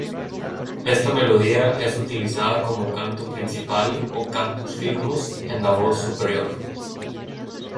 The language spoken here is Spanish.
Esta melodía es utilizada como canto principal o "cantus firmus" en la voz superior.